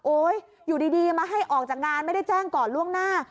อยู่ดีมาให้ออกจากงานไม่ได้แจ้งก่อนล่วงหน้า